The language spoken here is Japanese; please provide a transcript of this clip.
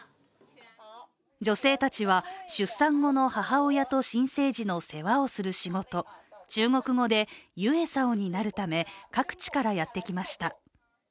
女性たちは出産後の母親と新生児の世話をする仕事、中国語でユエサオになるため各地からやってきました。